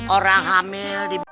orang hamil dibahas